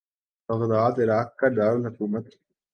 Baghdad Iraq کا دار الحکومت